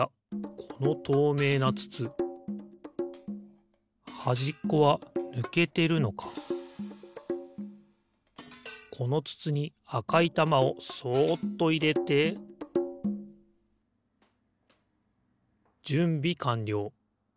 このとうめいなつつはじっこはぬけてるのかこのつつにあかいたまをそっといれてじゅんびかんりょう。